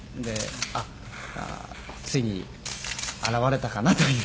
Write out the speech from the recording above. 「あっついに現れたかなという」